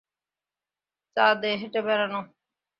চাঁদে হেটে বেড়ানো!